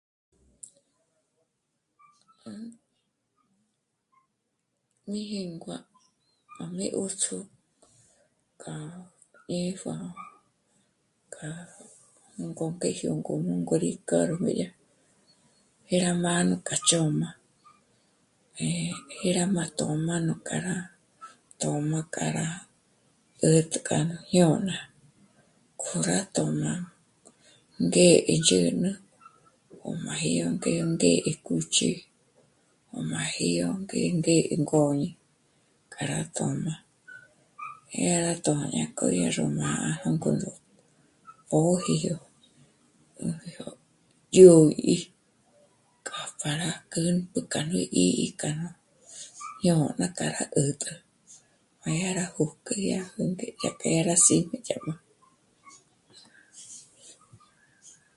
Mí jíngua k'a mí 'ṓjtjō k'a ñíjua k'a ngó ngéjyo k'o ngó rí kârgo yá, jé rá mâ'a nú k'a chö̌m'a, eh, dyá rá má tö̌m'a nú kjâra tö̌m'a k'a rá 'ä̀t'ä k'a nú jñôna. K'o rá tö̌m'a ngé'e ndzhǚ'n'ü o máji yó ngé ngé'e kúch'i o máji yó ngé'e ngôñi k'a rá tö̌m'a. Dyá rá tö̌m'a yá k'o ñá ró mâ'a já ngǔm'ü póji yó, ndzhôgi k'a pjâra k'ü 'ùmpjü k'a ní 'í'i k'a nú jñôna k'a rá 'ä̀t'ä, má yá rá jö̌k'ü yá jó ngé dyá k'a, yá rá sí'm'e dyá nú